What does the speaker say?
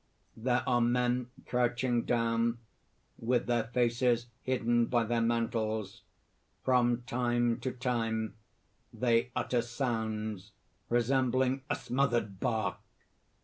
_ _There are men crouching down, with their faces hidden by their mantles. From time to time they utter sounds resembling a smothered bark.